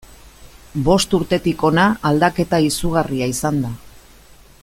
Bost urtetik hona aldaketa izugarria izan da.